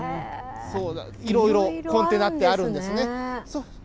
いろいろ、コンテナってあるんですね。